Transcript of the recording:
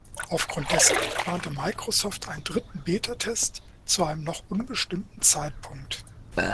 Aufgrund dessen plante Microsoft einen dritten Betatest zu einem noch unbestimmten Zeitpunkt.